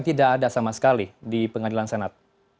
tidak ada sama sekali di pengadilan senat